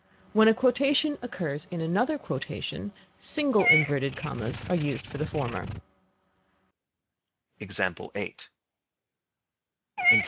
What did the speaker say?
When a quotation occurs in another quotation, single inverted commas are used for the former.